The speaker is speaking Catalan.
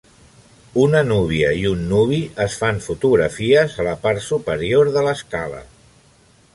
Una núvia i un nuvi es fan fotografies a la part superior de l'escala.